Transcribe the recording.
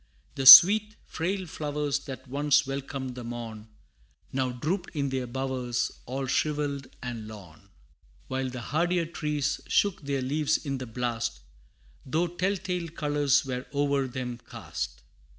The sweet, frail flowers that once welcomed the morn, Now drooped in their bowers, all shrivelled and lorn; While the hardier trees shook their leaves in the blast Though tell tale colors were over them cast.